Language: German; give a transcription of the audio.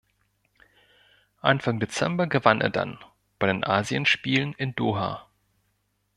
Anfang Dezember gewann er dann bei den Asienspielen in Doha.